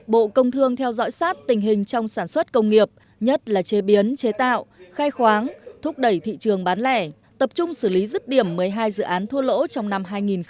bộ công thương theo dõi sát tình hình trong sản xuất công nghiệp nhất là chế biến chế tạo khai khoáng thúc đẩy thị trường bán lẻ tập trung xử lý rứt điểm một mươi hai dự án thua lỗ trong năm hai nghìn hai mươi